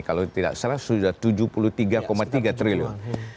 kalau tidak salah sudah tujuh puluh tiga tiga triliun